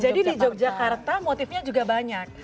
jadi di yogyakarta motifnya juga banyak